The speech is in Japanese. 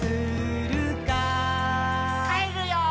「かえるよー」